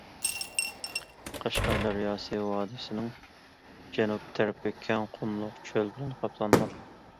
قەشقەر دەرياسى ۋادىسىنىڭ جەنۇب تەرىپى كەڭ قۇملۇق چۆل بىلەن قاپلانغان.